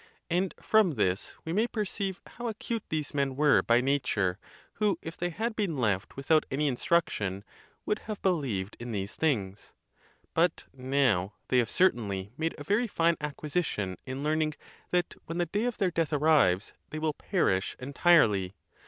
And from this we may perceive how acute these men were by nature, who, if they had been left without any instruction, would have believed in these things. But now they have certainly made a very fine acquisition in learning that when the day of their death arrives, they will perish entirely.